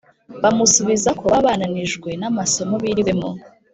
bamusubiza ko baba bananijwe n’amasomo biriwemo,